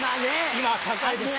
今高いですから。